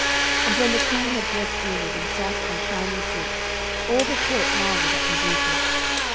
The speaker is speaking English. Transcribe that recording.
And when the Queen had dressed Enid in soft and shining silk, all the court marvelled at her beauty.